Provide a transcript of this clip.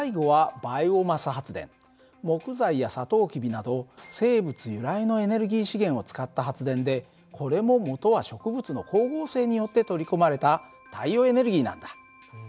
最後は木材やサトウキビなど生物由来のエネルギー資源を使った発電でこれももとは植物の光合成によって取り込まれた太陽エネルギーなんだ。